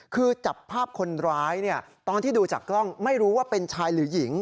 คือจับภาพคนร้ายเนี่ยตอนที่ดูจากกล้องไม่รู้ว่าเป็นชายหรือหญิง